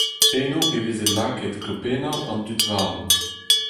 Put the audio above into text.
Enno e veze lakaet klopennoù an dud varv.